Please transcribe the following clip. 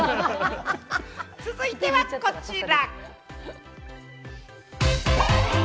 続いてはこちら。